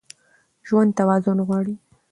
ژوند توازن غواړي.